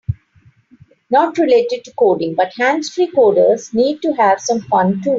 Not related to coding, but hands-free coders need to have some fun too.